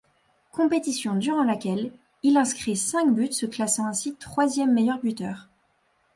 Compétition durant laquelle il inscrit cinq buts se classant ainsi troisième meilleur buteur.